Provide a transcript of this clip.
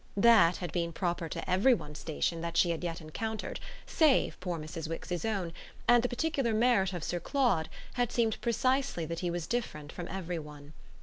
That had been proper to every one's station that she had yet encountered save poor Mrs. Wix's own, and the particular merit of Sir Claude had seemed precisely that he was different from every one.